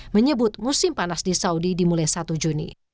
menyebut musim panas di saudi dimulai satu juni